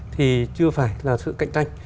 thì chưa phải là sự cạnh tranh